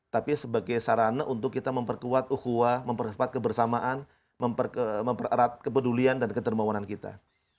tapi sebagai sarana untuk kita memperkuat uhuah mempercepat kebersamaan mempererat kepedulian dan ketermawanan kita